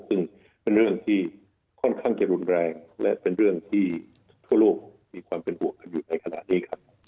ซึ่งเป็นเรื่องที่ค่อนข้างจะรุนแรงและเป็นเรื่องที่ทั่วโลกมีความเป็นห่วงกันอยู่ในขณะนี้ครับ